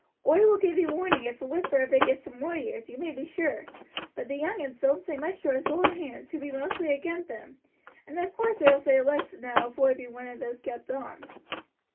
"Oi will give ee warning if a whisper of it gets to moi ears, you may be sure, but the young uns doan't say much to us old hands, who be mostly agin them, and ov course they will say less now if oi be one of those kept on."